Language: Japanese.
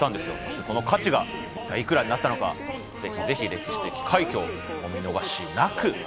一体その価値はいくらになったのか、ぜひ歴史的快挙をお見逃しなく。